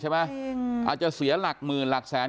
ใช่ไหมอาจะเสียหลักหมื่นหลักแสน